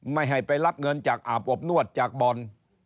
ไม่ให้ไปรับเงินจากอาบอบนวดจากบ่อน